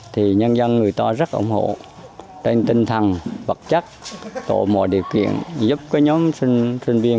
thì nhân dân người ta rất ủng hộ tên tinh thần vật chất tổ mọi điều kiện giúp nhóm sinh viên